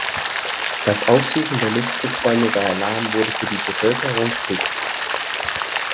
Das Aufsuchen der Luftschutzräume bei Alarm wurde für die Bevölkerung Pflicht.